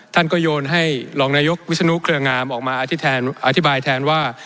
ท่านก็โยนให้รองนายกวิศนุเครืองามออกมาอธิบายแทนว่า